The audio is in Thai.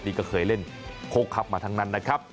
นี่ก็เคยเล่นโคกครับมาทั้งนั้นนะครับ